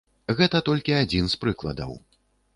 Гэта толькі адзін з прыкладаў.